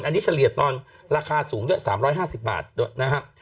อันนี้เฉลี่ยตอนราคาสูงเนี่ย๓๕๐บาทนะฮะ